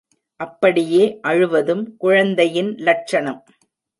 அப்படியே அழுவதும் குழந்தையின் லட்சணம்.